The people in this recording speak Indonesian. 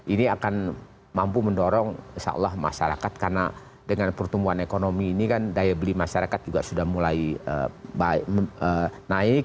ini akan mampu mendorong insya allah masyarakat karena dengan pertumbuhan ekonomi ini kan daya beli masyarakat juga sudah mulai naik